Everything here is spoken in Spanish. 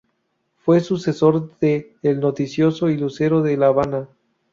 Fue sucesor de "El Noticioso y Lucero de la Habana".